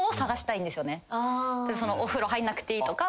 お風呂入んなくていいとか。